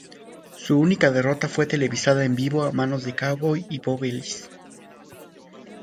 Su única derrota fue televisada en vivo a manos de Cowboy Bob Ellis.